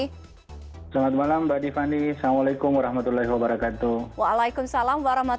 selamat malam mbak tiffany assalamualaikum wr wb